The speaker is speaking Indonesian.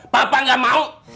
papa gak mau